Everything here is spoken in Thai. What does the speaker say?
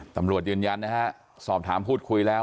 ตำรวจยืนยันนะฮะสอบถามพูดคุยแล้ว